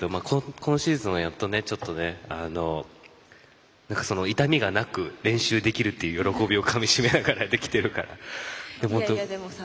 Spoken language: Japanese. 今シーズンはやっと痛みがなく練習できるっていう喜びをかみしめながらできてるから。